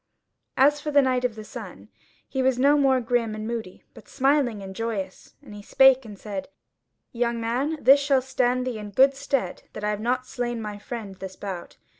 As for the Knight of the Sun, he was no more grim and moody, but smiling and joyous, and he spake and said: "Young man, this shall stand thee in good stead that I have not slain my friend this bout.